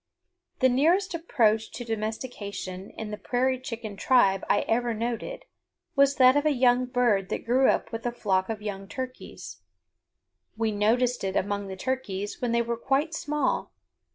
The nearest approach to domestication in the prairie chicken tribe I ever noted, was that of a young bird that grew up with a flock of young turkeys. We noticed it among the turkeys when they were quite small.